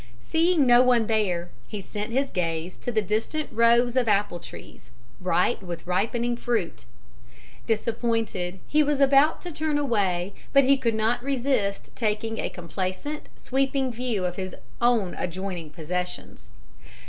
Seeing no one there, he sent his gaze to the distant rows of apple trees, bright with ripening fruit. Disappointed, he was about to turn away, but he could not resist taking a complacent, sweeping view of his own adjoining possessions.